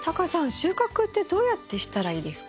収穫ってどうやってしたらいいですか？